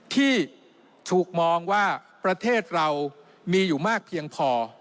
ที่ถูกมองว่าประเทศเรามีอยู่มากเพียงพอ